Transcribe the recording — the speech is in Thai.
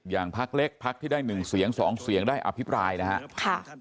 พักเล็กพักที่ได้๑เสียง๒เสียงได้อภิปรายนะครับ